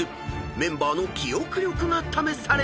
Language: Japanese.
メンバーの記憶力が試される］